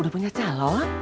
udah punya calon